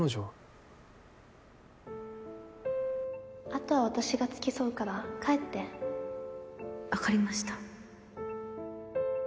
あとは私が付き添うから帰ってわかりました